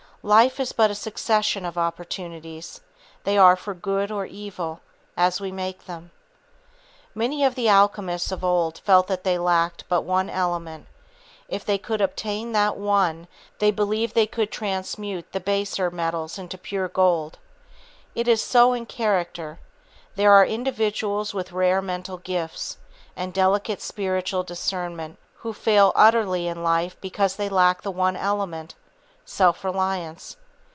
Life is but a succession of opportunities. They are for good or evil, as we make them. Many of the alchemists of old felt that they lacked but one element; if they could obtain that one, they believed they could transmute the baser metals into pure gold. It is so in character. There are individuals with rare mental gifts, and delicate spiritual discernment who fail utterly in life because they lack the one element, self reliance.